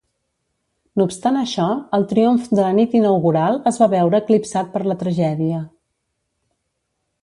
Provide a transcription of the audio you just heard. No obstant això, el triomf de la nit inaugural es va veure eclipsat per la tragèdia.